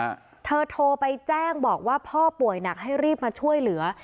เธอโทรไปแจ้งบอกว่าพ่อป่วยหนักให้รีบมาช่วยเหลือ